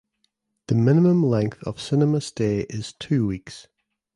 The minimum length of cinema stay is two weeks.